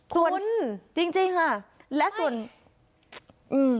คุณจริงจริงค่ะและส่วนอืม